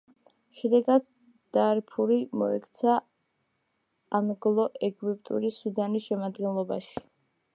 შედეგად დარფური მოექცა ანგლო–ეგვიპტური სუდანის შემადგენლობაში.